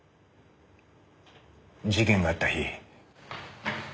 事件があった日。